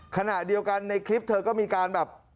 ขณะเดียวกันในคลิปเธอก็มีการแบบ